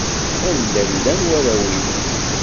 Anda llan warraw-im?